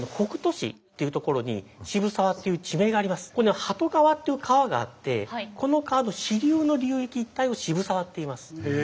ここに鳩川という川があってこの川の支流の流域一帯を渋沢っていいます。